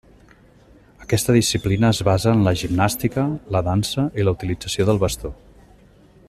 Aquesta disciplina es basa en la gimnàstica, la dansa i la utilització del bastó.